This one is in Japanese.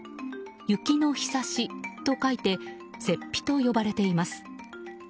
雪のひさしと書いて雪庇と呼ばれています。